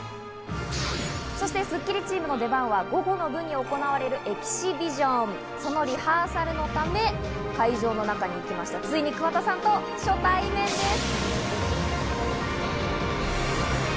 そしてスッキリチームの出番は午後の部に行われるエキシビション、そのリハーサルのため、会場の中に行きまして、ついに桑田さんと初対面です。